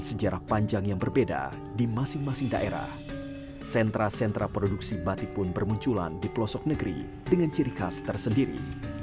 di kota kota yang berasing daerah sentra sentra produksi batik pun bermunculan di pelosok negeri dengan ciri khas tersendiri